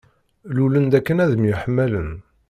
Lulen-d akken ad myeḥmalen.